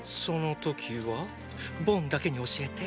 ボンだけに教えて？